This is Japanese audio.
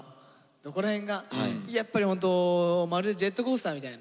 どこら辺がやっぱりホントまるでジェットコースターみたいな。